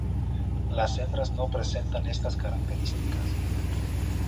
Las hembras no presentan estas características.